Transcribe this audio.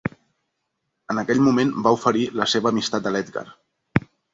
En aquell moment va oferir la seva amistat a l'Edgar.